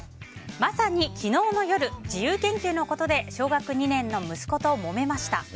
まさに昨日の夜自由研究のことで小学２年の息子ともめました。